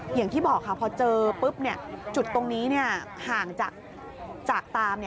อย่างที่บอกค่ะพอเจอปุ๊บจุดตรงนี้ห่างจากตาม